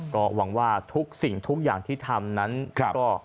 ก็หวังว่าทุกสิ่งทุกอย่างที่ทำนั้น